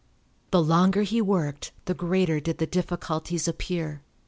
The longer he worked the greater did the difficulties appear.